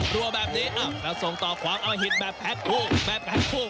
รั่วแบบนี้อ้าวแล้วส่งต่อความเอามาฮิตแบบแพ็คพูแบบแพ็คพู